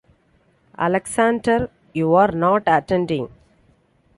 Alexander, you are not attending.